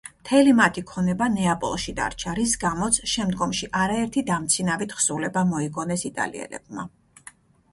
მთელი მათი ქონება ნეაპოლში დარჩა, რის გამოც შემდგომში არაერთი დამცინავი თხზულება მოიგონეს იტალიელებმა.